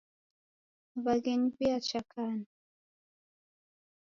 Waghenyi wiacha kana.